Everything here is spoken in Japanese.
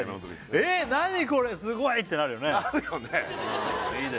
「えっ何これすごい！」ってなるよねなるよね